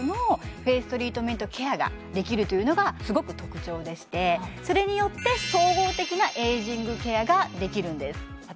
フェイストリートメントケアができるというのがすごく特徴でしてそれによってができるんです私